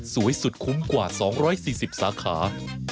สุดคุ้มกว่า๒๔๐สาขา